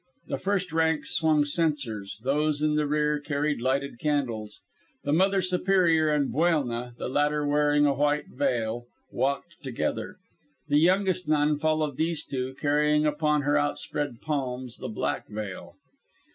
The first ranks swung censers; those in the rear carried lighted candles. The Mother Superior and Buelna, the latter wearing a white veil, walked together. The youngest nun followed these two, carrying upon her outspread palms the black veil.